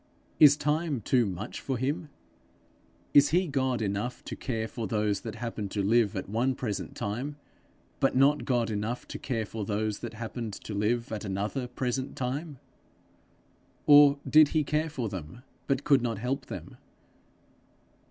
Is Time too much for him? Is he God enough to care for those that happen to live at one present time, but not God enough to care for those that happened to live at another present time? Or did he care for them, but could not help them?